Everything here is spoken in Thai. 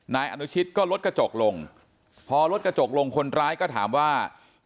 นายอนุชิตก็ลดกระจกลงพอรถกระจกลงคนร้ายก็ถามว่า